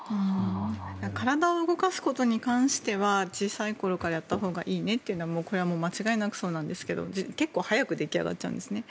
体を動かすことに関しては小さい時からやっておくといいねというのはこれはもう間違いなくそうなんですが結構早く出来上がっちゃうんですね。